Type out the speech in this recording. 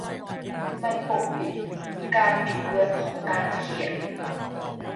มันปกปิด 'การบิดเบือนของการเขียน'